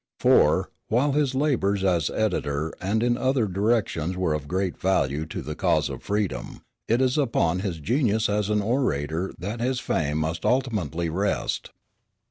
For, while his labors as editor and in other directions were of great value to the cause of freedom, it is upon his genius as an orator that his fame must ultimately rest.